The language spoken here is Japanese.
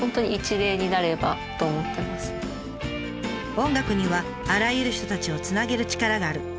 音楽にはあらゆる人たちをつなげる力がある。